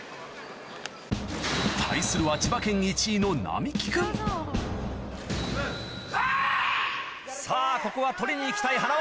対するは千葉県１位の並木君さぁここは取りに行きたい塙。